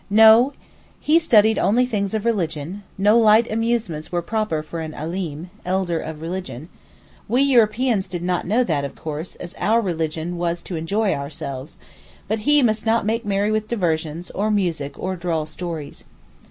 No; he studied only things of religion, no light amusements were proper for an Alim (elder of religion); we Europeans did not know that, of course, as our religion was to enjoy ourselves; but he must not make merry with diversions, or music, or droll stories.